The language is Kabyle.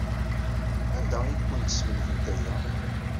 Anda ay awent-slemdent aya?